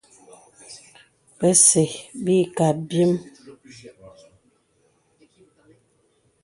Bə̀zə̄ bə̀ ǐ kə̀ abyēm.